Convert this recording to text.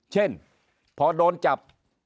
เช่นพอโดนจับ